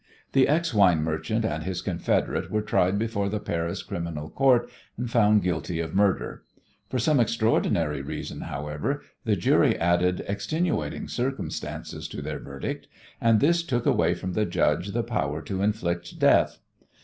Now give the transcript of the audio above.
The ex wine merchant and his confederate were tried before the Paris Criminal Court and found guilty of murder. For some extraordinary reason, however, the jury added "extenuating circumstances" to their verdict and this took away from the judge the power to inflict death.